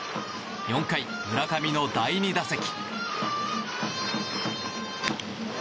４回、村上の第２打席。